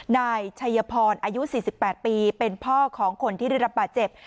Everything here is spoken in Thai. นายชัยพรอายุ๔๘ปีเป็นพ่อของคนที่ได้รับบาดเจ็บ